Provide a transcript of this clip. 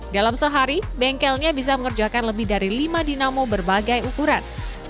dalam sehari bengkelnya bisa mengerjakan lebih dari lima dinamo berbagai ukuran